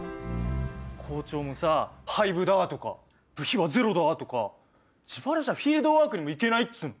校長もさ「廃部だ！」とか「部費はゼロだ！」とか自腹じゃフィールドワークにも行けないっつうの！